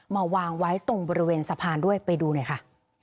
วางไว้ตรงบริเวณสะพานด้วยไปดูหน่อยค่ะ